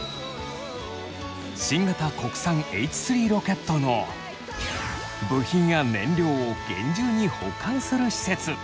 新型国産Ｈ３ロケットの部品や燃料を厳重に保管する施設。